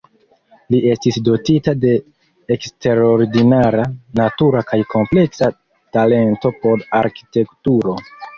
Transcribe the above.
Li estis dotita de eksterordinara, natura kaj kompleksa talento por arkitekturo.